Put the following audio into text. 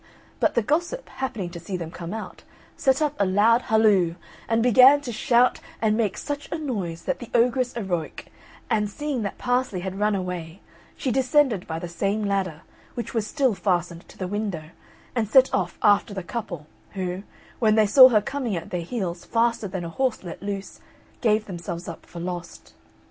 But the gossip, happening to see them come out, set up a loud "Halloo," and began to shout and make such a noise that the ogress awoke, and, seeing that Parsley had run away, she descended by the same ladder, which was still fastened to the window, and set off after the couple, who, when they saw her coming at their heels faster than a horse let loose, gave themselves up for lost.